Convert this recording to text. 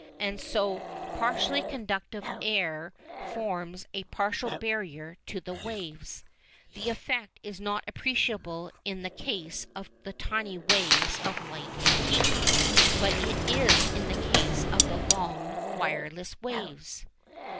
And so partially conductive air forms a partial barrier to the waves. The effect is not appreciable in the case of the tiny waves of light and heat, but it is in the case of the long "wireless waves."